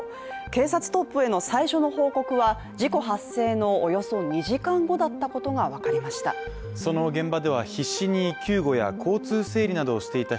警察トップへの最初の報告は事故発生のおよそ２時間後だったことが分かりました。